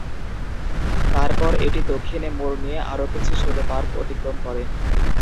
তারপর এটি দক্ষিণে মোড় নিয়ে আরো কিছু ছোট পার্ক অতিক্রম করে।